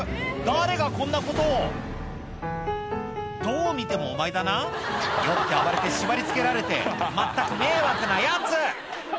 誰がこんなことをどう見てもお前だな酔って暴れて縛り付けられてまったく迷惑なヤツ！